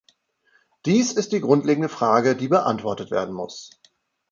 Dies ist die grundlegende Frage, die beantwortet werden muss.